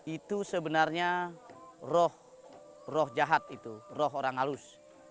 itu sebenarnya roh roh jahat itu roh orang halus